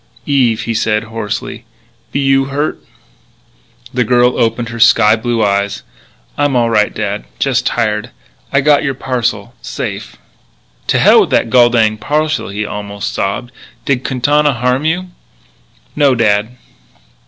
"Eve," he said hoarsely, "be you hurted?" The girl opened her sky blue eyes. "I'm all right, dad, ... just tired.... I've got your parcel ... safe...." "To hell with the gol dinged parcel," he almost sobbed; " did Quintana harm you?" "No, dad."